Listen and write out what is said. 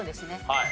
はい。